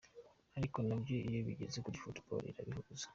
Ariko nabyo iyo bigeze kuri football irabihuza.